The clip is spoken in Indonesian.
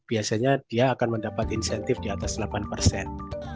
biasanya dia akan mendapat insentif di atas delapan persen